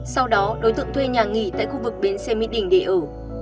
sau đó đối tượng thuê nhà nghỉ tại khu vực bến xe mỹ đình để ở